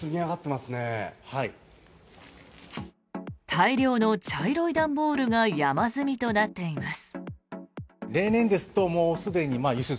大量の茶色い段ボールが山積みとなっています。